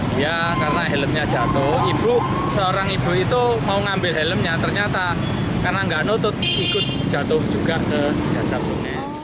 dia karena helmnya jatuh ibu seorang ibu itu mau ngambil helmnya ternyata karena nggak nutut ikut jatuh juga ke dasar sungai